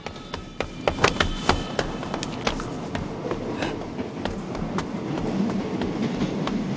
えっ！